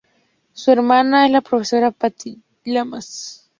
Su hermana es la profesora Paty Llamas.